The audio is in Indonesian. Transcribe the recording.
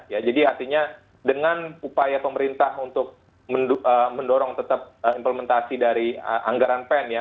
ya jadi artinya dengan upaya pemerintah untuk mendorong tetap implementasi dari anggaran pen ya